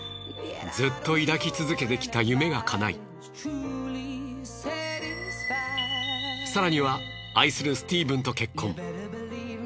ずっと抱き続けてきた夢がかない更には愛するスティーブンと結婚。